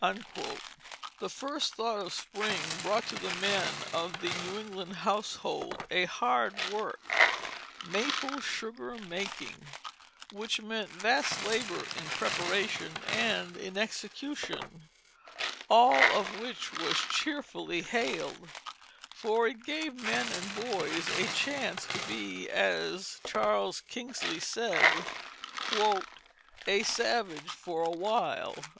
The first thought of spring brought to the men of the New England household a hard work maple sugar making which meant vast labor in preparation and in execution all of which was cheerfully hailed, for it gave men and boys a chance to be as Charles Kingsley said, "a savage for a while."